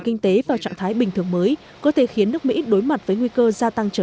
kinh tế vào trạng thái bình thường mới có thể khiến nước mỹ đối mặt với nguy cơ gia tăng trở